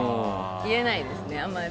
言えないですね、あまり。